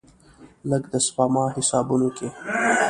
لږ، د سپما حسابونو کې